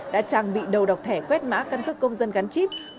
đã trang bị đầu độc thẻ quét mã căn cước công dân gắn chip